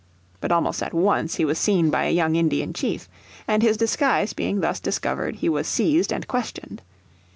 But almost at once he was seen by a young Indian chief. And his disguise being thus discovered he was seized and questioned.